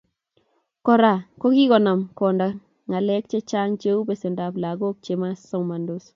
Kora kokikonam konda ngalek chechang cheu besendap lagok che somandos